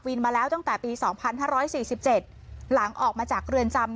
วินมาแล้วตั้งแต่ปีสองพันห้าร้อยสี่สิบเจ็ดหลังออกมาจากเกรื่อนจำ